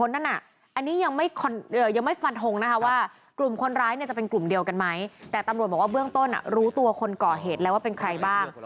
แต่ตำรวจบอกว่าเบื้องต้นรู้ตัวคนก่อเหตุแล้วว่าเป็นใครบ้าง